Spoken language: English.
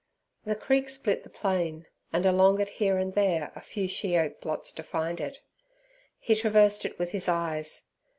The creek split the plain, and along it here and there a few sheoak blots defined it. He traversed it with his eyes.